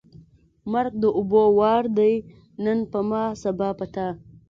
ـ مرګ د اوبو وار دی نن په ما ، سبا په تا.